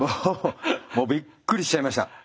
もうびっくりしちゃいました。